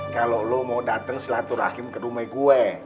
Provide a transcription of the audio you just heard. kalo lo mau dateng selatu rahim ke rume gue